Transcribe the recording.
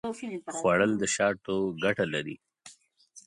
خوړل د شاتو ګټه لري